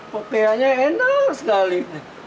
pokoknya enak sekali